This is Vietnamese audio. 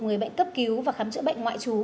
người bệnh cấp cứu và khám chữa bệnh ngoại trú